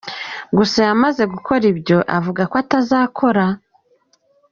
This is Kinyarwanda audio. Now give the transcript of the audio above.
Gusa yamaze gukora ibyo avuga ko atazakora!